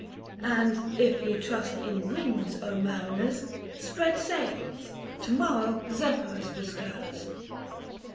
And if ye trust in winds, mariners ! Spread sails, to morrow Zephyrus bestirs.